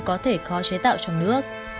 có thể tạo trong nước